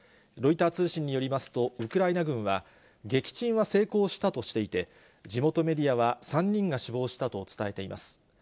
ロイター通信によりますと、ウクライナ軍は、撃沈は成功したとしていて、地元メディアは３人が死亡したと伝えています。